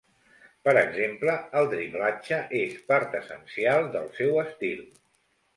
Per exemple, el driblatge és part essencial del seu estil.